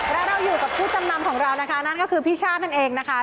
และเราอยู่กับผู้จำนำของเรานะคะนั่นก็คือพี่ชาตินั่นเองนะคะ